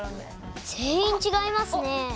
全員違いますね。